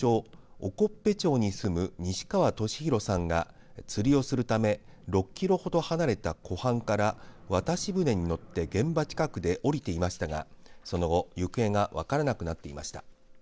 興部町に住む西川俊宏さんが釣りをするため６キロほど離れた湖畔から渡し船に乗って現場近くで降りていましたがその後、行方がわからなくなっていました。